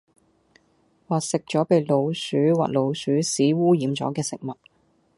或食左被老鼠或老鼠屎污染左既食物